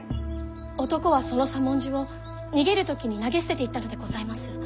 男はその左文字を逃げる時に投げ捨てていったのでございます。